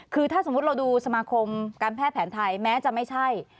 คือถ้าสมมุติเราดูสมาคมการแพทย์แผนไทยแม้จะไม่ใช่